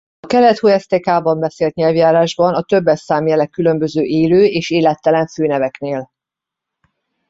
A Kelet-Huastecaban beszélt nyelvjárásban a többes szám jele különböző élő és élettelen főneveknél.